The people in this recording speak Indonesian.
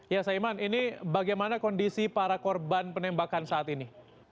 ya saiman ini bagaimana kondisi para korban penembakan saat ini